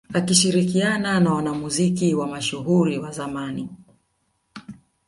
Akishirikiana na wanamuziki wa mashuhuri wa zamani